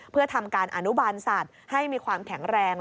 เพื่อทำการอนุบาลสัตว์ให้มีความแข็งแรง